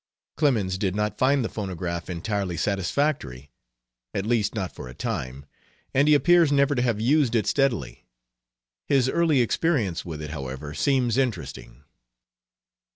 Clemens did not find the phonograph entirely satisfactory, at least not for a time, and he appears never to have used it steadily. His early experience with it, however, seems interesting.